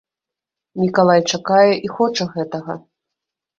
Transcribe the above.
Мікалай чакае і хоча гэтага.